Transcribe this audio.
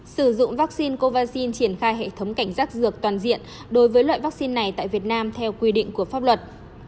sử dụng vaccine covid triển khai hệ thống cảnh giác dược toàn diện đối với loại vaccine này tại việt nam theo quy định của pháp luật